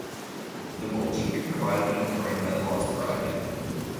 The ball should be provided and thrown by the last bride.